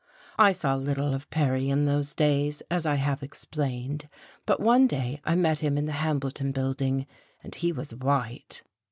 I saw little of Perry in those days, as I have explained, but one day I met him in the Hambleton Building, and he was white.